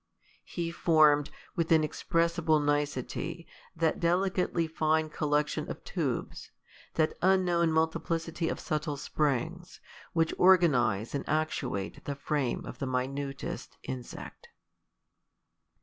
He formed, with inexpressible nicety, that <lelicately line ccllectioi3 of tubes ; that unknown mul tiplicity of subtle springs, which organize and actuate the frame of the minutest insect.